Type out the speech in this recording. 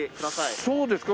あっそうですか。